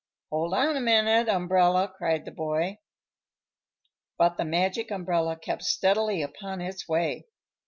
"Hold on a minute, Umbrella!" cried the boy. But the Magic Umbrella kept steadily upon its way.